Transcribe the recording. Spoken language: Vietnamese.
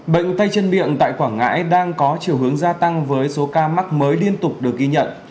bệnh tay chân miệng tại quảng ngãi đang có chiều hướng gia tăng với số ca mắc mới liên tục được ghi nhận